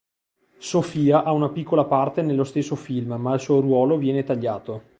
Sofia ha una piccola parte nello stesso film ma il suo ruolo viene tagliato.